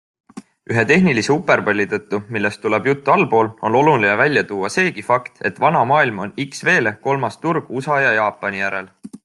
Ühe tehnilise uperpalli tõttu, millest tuleb juttu allpool, on oluline välja tuua seegi fakt, et Vana Maailm on XV-le kolmas turg USA ja Jaapani järel.